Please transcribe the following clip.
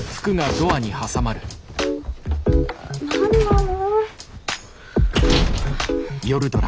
何なの。